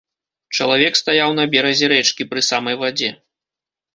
Чалавек стаяў на беразе рэчкі, пры самай вадзе.